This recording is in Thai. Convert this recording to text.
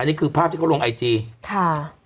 นี่คือภาพที่เขาลงไอจีค่ะ